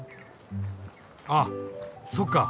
あそっか。